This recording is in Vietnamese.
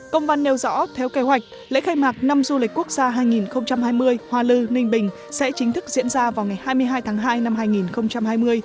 công văn nêu rõ theo kế hoạch lễ khai mạc năm du lịch quốc gia hai nghìn hai mươi hoa lư ninh bình sẽ chính thức diễn ra vào ngày hai mươi hai tháng hai năm hai nghìn hai mươi